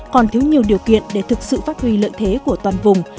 còn thiếu nhiều điều kiện để thực sự phát huy lợi thế của toàn vùng